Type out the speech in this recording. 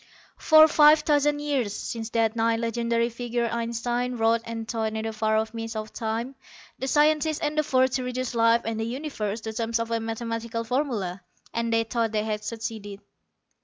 ] PROLOGUE _For five thousand years, since that nigh legendary figure Einstein wrote and thought in the far off mists of time, the scientists endeavored to reduce life and the universe to terms of a mathematical formula. And they thought they had succeeded.